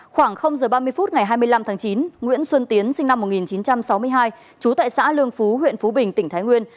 khoảng giờ ba mươi phút ngày hai mươi năm tháng chín nguyễn xuân tiến sinh năm một nghìn chín trăm sáu mươi hai trú tại xã lương phú huyện phú bình tỉnh thái nguyên